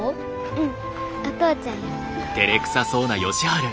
うんお父ちゃんや。